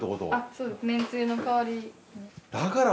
そうめんつゆの代わりに。